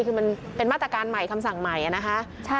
คือมันเป็นมาตรการใหม่คำสั่งใหม่นะคะ